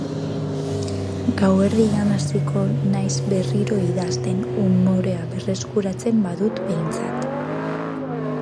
Gauerdian hasiko naiz berriro idazten, umorea berreskuratzen badut behintzat.